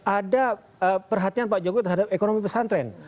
ada perhatian pak jokowi terhadap ekonomi pesantren